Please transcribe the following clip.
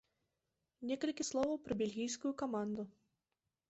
Некалькі словаў пра бельгійскую каманду.